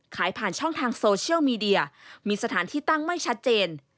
ขายผ่านช่องทางโซเชียลมีเดียมีสถานที่ตั้งไม่ชัดเจน